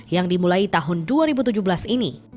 yang dimulai tahun dua ribu tujuh belas ini